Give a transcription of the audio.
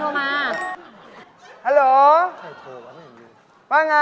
จริงหรือตายหรือฮ่ะ